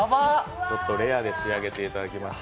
レアで仕上げていただきました。